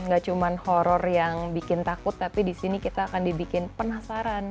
gak cuman horror yang bikin takut tapi disini kita akan dibikin penasaran